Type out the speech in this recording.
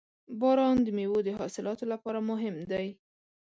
• باران د میوو د حاصلاتو لپاره مهم دی.